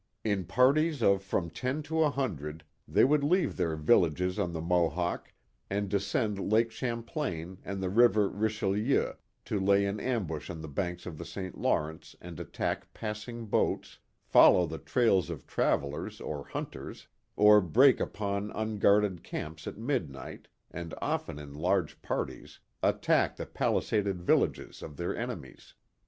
In parties of from ten to a hundred, they would leave their vil lages on the Mohawk and descend Lake Champlain and the river Richelieu to lay in ambush on the banks of the St. Law rence and attack passing boats, follow the trails of travellers or hunters, or break upon unguarded camps at midnight, and often in large parties attack the palisaded villages of their en emies.